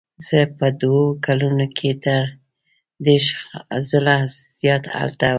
زه په دوو کلونو کې تر دېرش ځله زیات هلته ورغلی یم.